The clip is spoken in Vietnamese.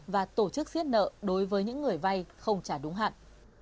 và tổ chức xiết nợ đối với những người vay không trả đúng hạn